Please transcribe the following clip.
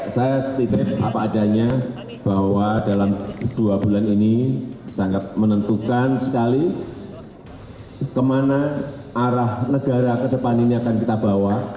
saya titip apa adanya bahwa dalam dua bulan ini sangat menentukan sekali kemana arah negara ke depan ini akan kita bawa